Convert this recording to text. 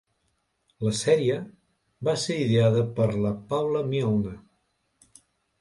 La sèrie va ser ideada per la Paula Milne.